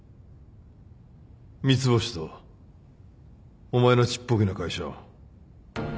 三ツ星とお前のちっぽけな会社を。